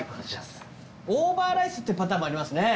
オーバーライスってパターンもありますね。